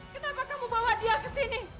kenapa kamu bawa dia kesini